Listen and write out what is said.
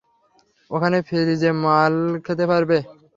ওখানে ফ্রিতে মাল খেতে পারবে।